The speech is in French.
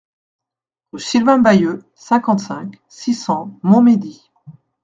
Rue Sylvain Bailleux, cinquante-cinq, six cents Montmédy